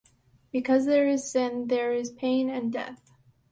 Because there is sin, there is pain and death.